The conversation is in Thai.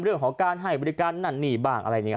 เรื่องของการให้บริการนั่นนี่บ้างอะไรเนี่ย